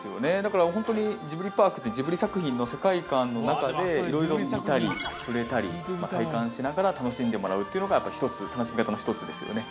これ、本当にジブリパークってジブリ作品の世界観の中でいろいろ見たり触れたり体感しながら楽んでもらうというのが楽しみ方の一つですよね。